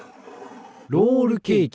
ロールケーキ。